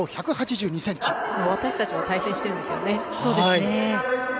私たちも対戦しているんですね。